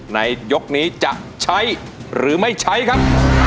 ในยกนี้จะใช้หรือไม่ใช้ครับ